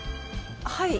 はい。